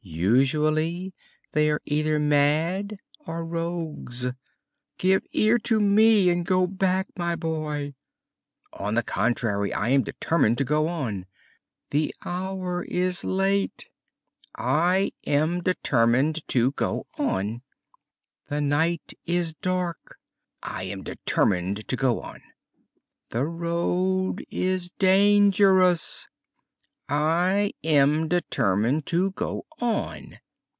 Usually they are either mad or rogues! Give ear to me, and go back, my boy." "On the contrary, I am determined to go on." "The hour is late!" "I am determined to go on." "The night is dark!" "I am determined to go on." "The road is dangerous!" "I am determined to go on."